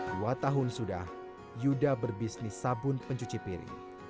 dua tahun sudah yuda berbisnis sabun pencuci piring